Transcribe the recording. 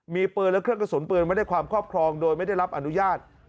มีปืนและเครื่องกระสุนปืนไว้ในความครอบครองโดยไม่ได้รับอนุญาต